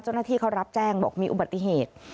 เจ้าหน้าที่เขารับแจ้งบอกมีอุบัติเหตุ